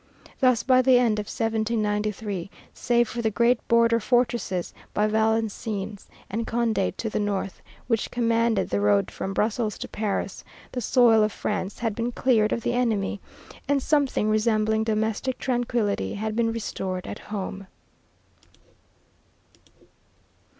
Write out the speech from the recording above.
Thus by the end of 1793, save for the great border fortresses of Valenciennes and Condé to the north, which commanded the road from Brussels to Paris, the soil of France had been cleared of the enemy, and something resembling domestic tranquillity had been restored at home.